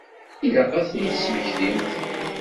Ilaq ad ten-id-tesmektimt.